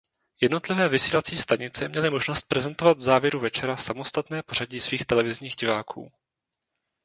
Jednotlivé vysílací stanice měly možnost prezentovat v závěru večera samostatné pořadí svých televizních diváků.